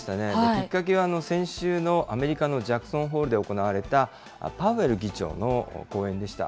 きっかけは先週のアメリカのジャクソンホールで行われたパウエル議長の講演でした。